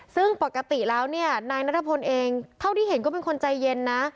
ซึ่งปกติแล้วเนี่ยนายนัทพลเองเท่าที่เห็นก็เป็นคนใจเย็นนะ